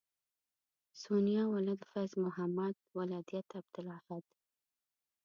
سونیا ولد فیض محمد ولدیت عبدالاحد